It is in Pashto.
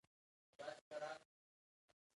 هغه دغو پیسو ته جدي اړتیا پیدا کوي